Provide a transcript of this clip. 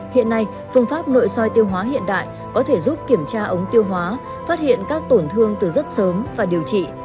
hiện nay phương pháp nội soi tiêu hóa hiện đại có thể giúp kiểm tra ống tiêu hóa phát hiện các tổn thương từ rất sớm và điều trị